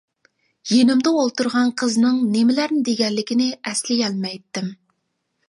يېنىمدا ئولتۇرغان قىزنىڭ نېمىلەرنى دېگەنلىكىنى ئەسلىيەلمەيتتىم.